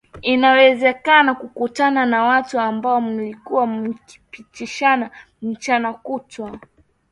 Inawezekana kukutana na watu ambao mlikuwa mkipishana mchana kutwa